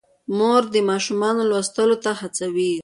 مور د ماشومانو لوستلو ته هڅوي.